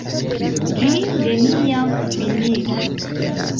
Ĝi neniam finiĝos!